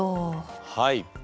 はい。